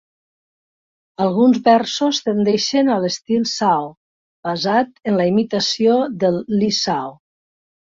Alguns versos tendeixen a l'estil "sao", basat en la imitació del "Li sao".